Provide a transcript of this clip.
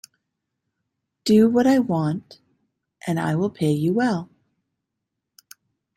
Do what I want, and I will pay you well.